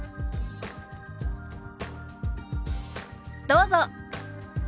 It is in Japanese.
どうぞ。